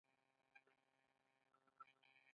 سالنګ تونل څومره اوږد دی؟